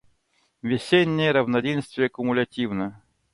Весеннее равноденствие кумулятивно.